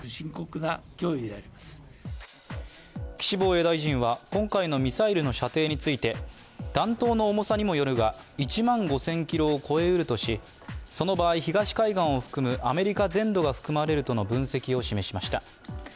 岸防衛大臣は、今回のミサイルの射程について、弾頭の重さにもよるが、１万５０００ｋｍを超えうるとしその場合、東海岸を含むアメリカ全土が含まれるとの分析を示しました。